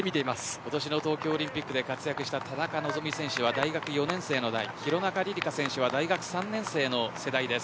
今年の東京オリンピックで活躍した田中選手は大学４年生の代ヒロナカ選手は大学３年生の世代です。